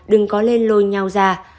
đừng có lên lôi nhau ra